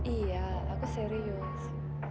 iya aku serius